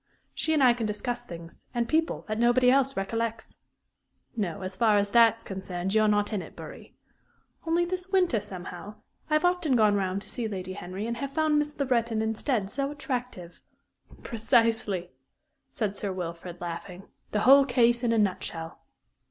She and I can discuss things and people that nobody else recollects no, as far as that's concerned, you're not in it, Bury. Only this winter, somehow, I have often gone round to see Lady Henry, and have found Miss Le Breton instead so attractive " "Precisely," said Sir Wilfrid, laughing; "the whole case in a nutshell."